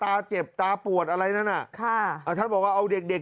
ตาเจ็บตาปวดอะไรนั่นอ่ะค่ะอ่าท่านบอกว่าเอาเด็กเด็ก